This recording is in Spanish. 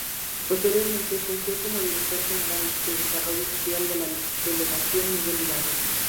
Posteriormente fungió como director general de desarrollo social de la Delegación Miguel Hidalgo.